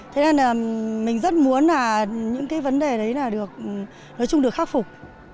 thế nên là mình rất muốn là những cái vấn đề đấy là được nói chung được khắc phục